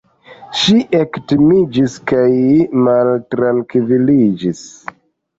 Ŝi ektimiĝis kaj maltrankviliĝis.